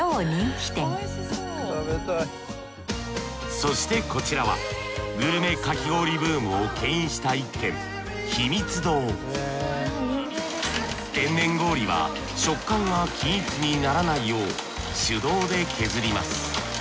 そしてこちらはグルメかき氷ブームをけん引した一軒天然氷は食感が均一にならないよう手動で削ります。